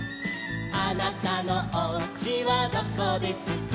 「あなたのおうちはどこですか」